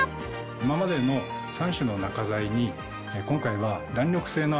今までの３種の中材に今回は。